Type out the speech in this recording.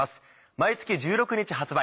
毎月１６日発売。